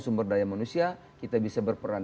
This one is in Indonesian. sumber daya manusia kita bisa berperan